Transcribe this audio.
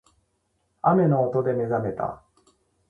雨の音で目が覚めた